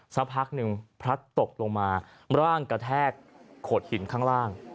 สักพักหนึ่งพลัดตกลงมาร่างกระแทกโขดหินข้างล่าง